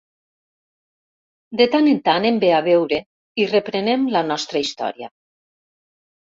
De tant en tant em ve a veure i reprenem la nostra història.